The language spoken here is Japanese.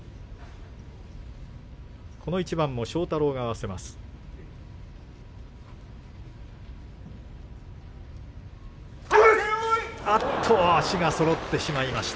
この一番も庄太郎が合わせます。